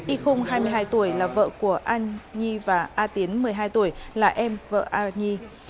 y khung hai mươi hai tuổi là vợ của anh nhi và a tiến một mươi hai tuổi là em vợ a nhi